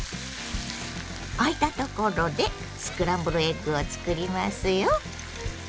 あいたところでスクランブルエッグを作りますよ。